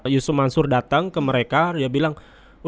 yusuf mansur datang ke mereka ya bila dia berada di sana ya